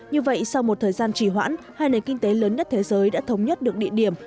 như vậy sau một thời gian trì hoãn hai nền kinh tế lớn nhất thế giới đã thống nhất được địa điểm